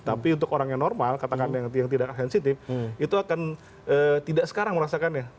tapi untuk orang yang normal katakan yang tidak sensitif itu akan tidak sekarang merasakannya